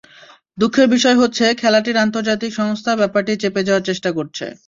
দুঃখের বিষয় হচ্ছে খেলাটির আন্তর্জাতিক সংস্থা ব্যাপারটি চেপে যাওয়ার চেষ্টা করছে।